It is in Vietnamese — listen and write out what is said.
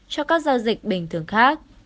cho các giao dịch bình thường khác